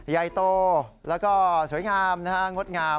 ใหญ่โตแล้วก็สวยงามนะฮะงดงาม